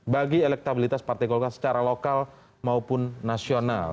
bagi elektabilitas partai golkar secara lokal maupun nasional